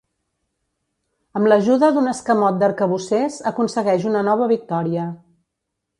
Amb l'ajuda d'un escamot d'arcabussers, aconsegueix una nova victòria.